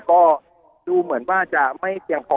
ก็ดูเหมือนว่าจะไม่เพียงพอ